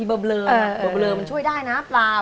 บุปริมมันช่วยได้นะปลา